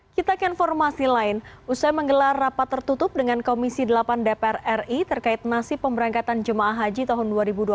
kita ke informasi lain usai menggelar rapat tertutup dengan komisi delapan dpr ri terkait nasib pemberangkatan jemaah haji tahun dua ribu dua puluh